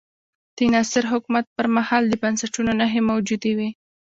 د ناصر حکومت پر مهال د بنسټونو نښې موجودې وې.